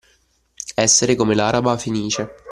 Essere come l'Araba Fenice.